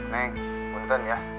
neng kemudian ya